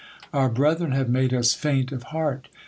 Our brethren have made us faint of heart.